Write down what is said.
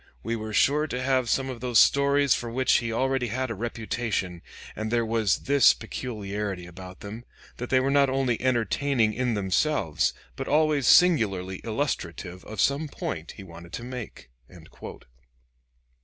We were sure to have some of those stories for which he already had a reputation, and there was this peculiarity about them, that they were not only entertaining in themselves, but always singularly illustrative of some point he wanted to make."